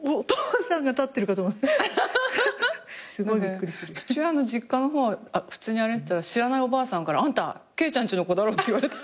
だって父親の実家の方普通に歩いてたら知らないおばあさんから「あんたケイちゃんちの子だろ」って言われた。